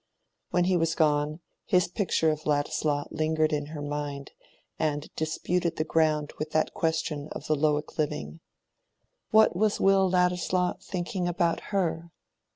When he was gone, his picture of Ladislaw lingered in her mind and disputed the ground with that question of the Lowick living. What was Will Ladislaw thinking about her?